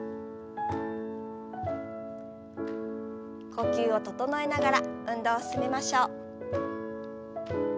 呼吸を整えながら運動を進めましょう。